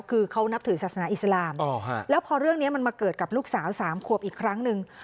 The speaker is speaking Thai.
คือเขานับถือศาสนาอิสลามแล้วพอเรื่องนี้มันมาเกิดกับลูกสาว๓ขวบอีกครั้งหนึ่ง